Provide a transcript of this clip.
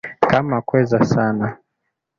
Kama kweza sana